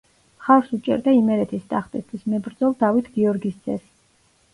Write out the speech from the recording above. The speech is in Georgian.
მხარს უჭერდა იმერეთის ტახტისთვის მებრძოლ დავით გიორგის ძეს.